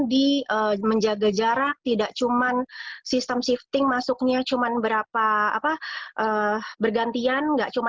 di menjaga jarak tidak cuman sistem shifting masuknya cuman berapa apa bergantian enggak cuma